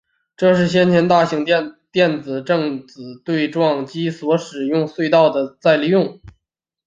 这是先前大型电子正子对撞机所使用隧道的再利用。